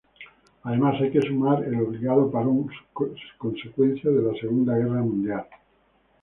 Además hay que sumar el obligado parón consecuencia de la Segunda Guerra Mundial.